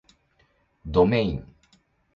どめいん